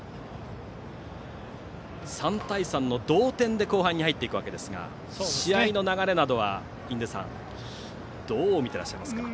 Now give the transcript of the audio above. ３対３の同点で後半に入っていくわけですが試合の流れなどは、印出さんどう見てらっしゃいますか。